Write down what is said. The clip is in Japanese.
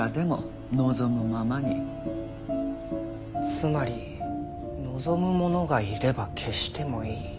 つまり望む者がいれば消してもいい。